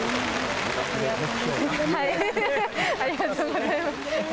ありがとうございます。